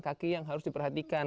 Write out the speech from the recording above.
kaki yang harus diperhatikan